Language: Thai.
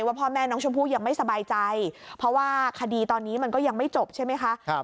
พ่อแม่น้องชมพู่ยังไม่สบายใจเพราะว่าคดีตอนนี้มันก็ยังไม่จบใช่ไหมคะ